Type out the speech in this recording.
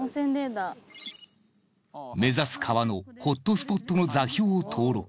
目指す川のホットスポットの座標を登録。